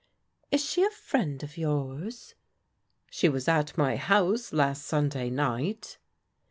" Is she a friend of yours? "" She was at my house last Stmday night."